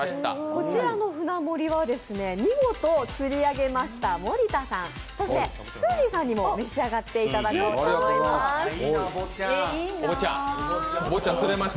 こちらの舟盛りは見事釣り上げました森田さん、そしてすーじーさんにも召し上がっていただきます。